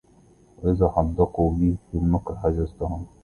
إذا أحدقوا بي في المكر حجزتهم